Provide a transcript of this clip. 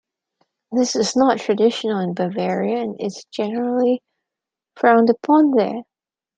This is not traditional in Bavaria, and is generally frowned upon there.